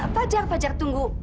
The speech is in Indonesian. pajar pajar tunggu